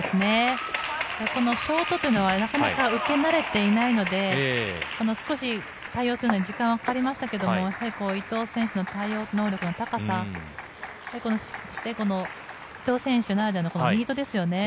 ショートというのは、なかなか受け慣れていないので対応するのに少し時間はかかりましたが伊藤選手の対応能力の高さ、そして伊藤選手ならではのミートですよね。